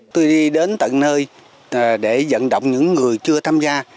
tôi đi đến tận nơi để dẫn động những người chưa tham gia